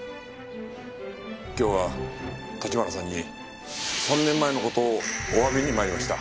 今日は立花さんに３年前の事をお詫びに参りました。